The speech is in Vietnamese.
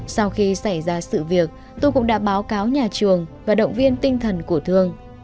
sau khi xảy ra sự việc tôi cũng đã báo cáo nhà trường và động viên tinh thần của thương